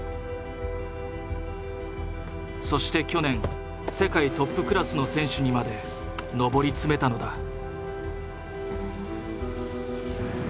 そして去年世界トップクラスの選手にまで上り詰めたのだ。